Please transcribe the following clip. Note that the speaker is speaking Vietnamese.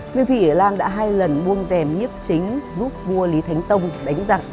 nguyên phi ỉ lan đã hai lần buông rèm nhiếp chính giúp vua lý thánh tông đánh giặc